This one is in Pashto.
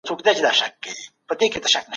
ایا د پنیر استعمال د غاښونو د کلکوالي سبب ګرځي؟